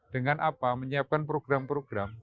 dengan apa menyiapkan program program